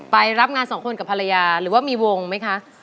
ไปรับงานสองคนกับภรรยาหรือว่ามีวงไหมคะ